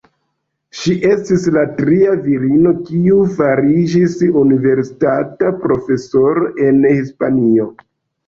Ŝi estis la tria virino kiu fariĝis universitata profesoro en Hispanio.